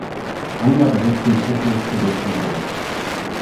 Anya besitzt den Schlüssel zu der Spieluhr.